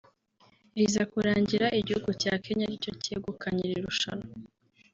riza kurangira igihugu cya Kenya ari cyo cyegukanye iri rushanwa